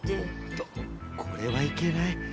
おっとこれはいけない。